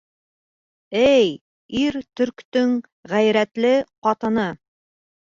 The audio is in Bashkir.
Эй, ир төрктөң ғәйрәтле ҡатыны!